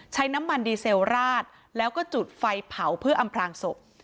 ใช้น้ำมันดีเซราดแล้วก็จุดไฟเผาเพื่ออำพลางศพ